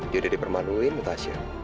dia udah dipermaduin tasya